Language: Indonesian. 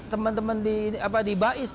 teman teman di ba'is